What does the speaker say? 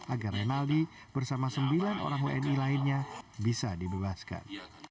agar renaldi bersama sembilan orang wni lainnya bisa dibebaskan